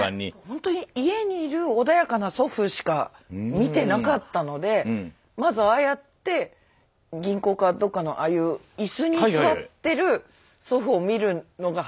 ほんとに家に居る穏やかな祖父しか見てなかったのでまずああやって銀行かどっかのああいう椅子に座ってる祖父を見るのが初めてです。